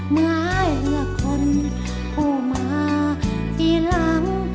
เมื่อเหลือคนผู้มาที่หลัง